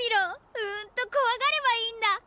うんとこわがればいいんだ！